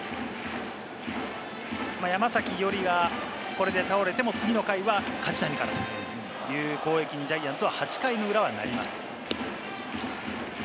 山崎伊織が、これで倒れても、次の回は梶谷からという攻撃にジャイアンツは８回の裏はなります。